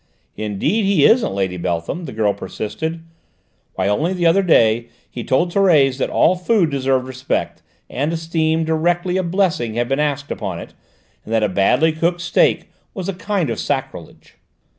"Indeed he isn't, Lady Beltham," the girl persisted. "Why, only the other day he told Thérèse that all food deserved respect and esteem directly a blessing had been asked upon it, and that a badly cooked steak was a kind of sacrilege."